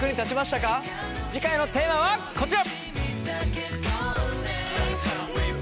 次回のテーマはこちら。